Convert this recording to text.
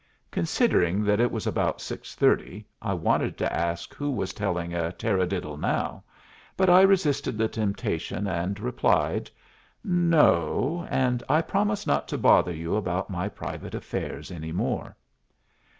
Considering that it was about six thirty, I wanted to ask who was telling a taradiddle now; but I resisted the temptation, and replied, "No. And I promise not to bother you about my private affairs any more."